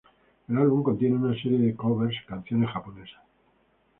El álbum contiene una serie de covers canciones japonesas.